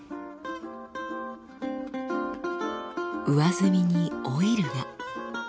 上澄みにオイルが。